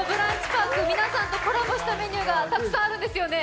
パーク皆さんとコラボしたメニューがたくさんあるんですよね？